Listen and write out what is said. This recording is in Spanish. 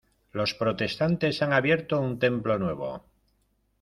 Los protestantes han abierto un templo nuevo.